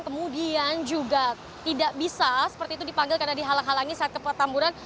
kemudian juga tidak bisa seperti itu dipanggil karena dihalang halangi saat ke petamburan